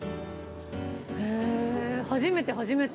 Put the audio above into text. へえ初めて初めて。